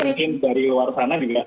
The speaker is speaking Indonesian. mungkin dari luar sana juga